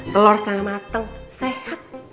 telur selama mateng sehat